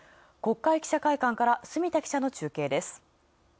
国会記者会館からすみた記者の中継です。